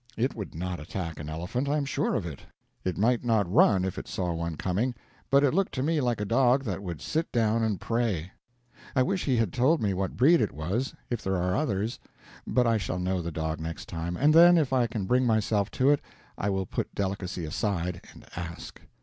It would not attack an elephant, I am sure of it. It might not run if it saw one coming, but it looked to me like a dog that would sit down and pray. I wish he had told me what breed it was, if there are others; but I shall know the dog next time, and then if I can bring myself to it I will put delicacy aside and ask.